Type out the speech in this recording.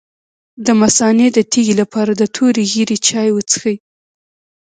د مثانې د تیږې لپاره د تورې ږیرې چای وڅښئ